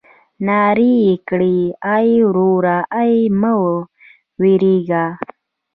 نارې يې کړې ای وروره ای مه وېرېږه.